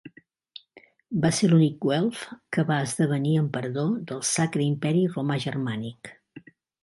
Va ser l'únic Welf que va esdevenir emperador del Sacre Imperi Romà Germànic.